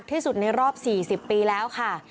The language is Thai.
ที่สุดในรอบ๔๐ปีแล้วค่ะ